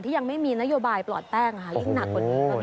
ยังไม่มีนโยบายปลอดแป้งค่ะยิ่งหนักกว่านี้